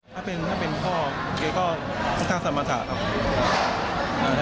ถ้าเป็นพ่อเก๊ก็สิทธิ์สัมปัชฌาครับ